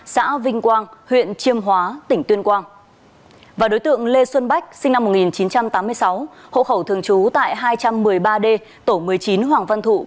xin chào các bạn